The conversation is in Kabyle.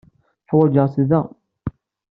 Ḥwajeɣ-t da.